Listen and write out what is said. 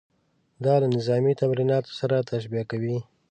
دا له نظامي تمریناتو سره تشبیه کوي.